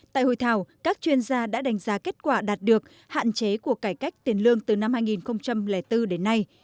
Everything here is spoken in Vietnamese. tại hội thảo các chuyên gia đã đánh giá kết quả đạt được hạn chế của cải cách tiền lương từ năm hai nghìn bốn đến nay